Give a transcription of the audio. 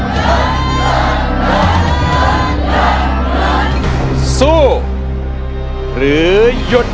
ชุด